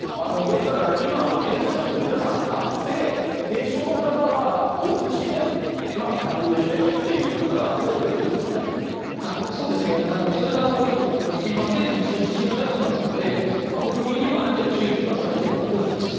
今、検査キット皆さん買って軽症の方はおうちで隔離をしてという方がそれが多いと思いますし政府もそういう指針を出していますので国民にも、ある程度周知はされていると思います。